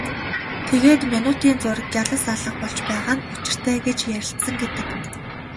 Тэгээд минутын зуур гялс алга болж байгаа нь учиртай гэж ярилцсан гэдэг.